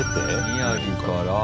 宮城から。